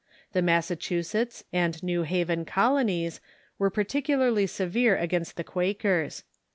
The Massa chusetts and New Haven colonies were particulai' Intolerance in j ggvere against the Quakers.